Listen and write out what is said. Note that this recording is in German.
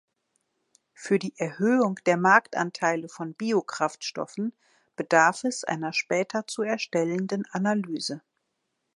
Für die Erhöhung der Marktanteile von Biokraftstoffen bedarf es einer später zu erstellenden Analyse.